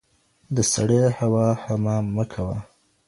د سړې هوا حمام مه کوه